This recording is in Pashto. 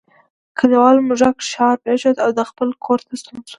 کلیوال موږک ښار پریښود او خپل کور ته ستون شو.